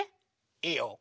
いいよ。